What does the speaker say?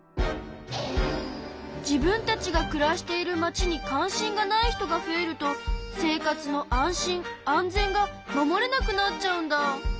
自分たちがくらしているまちに関心がない人が増えると生活の安心・安全が守れなくなっちゃうんだ。